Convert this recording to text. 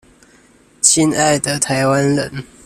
親愛的臺灣人